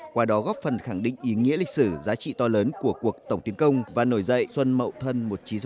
qua đó góp phần khẳng định ý nghĩa lịch sử giá trị to lớn của cuộc tổng tiến công và nổi dậy xuân mậu thân một nghìn chín trăm sáu mươi năm